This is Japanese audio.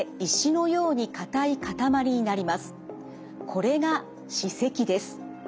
これが歯石です。